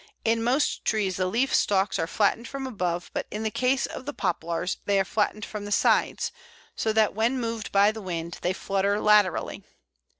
In most trees the leaf stalks are flattened from above, but in the case of the Poplars they are flattened from the sides, so that when moved by the wind they flutter laterally.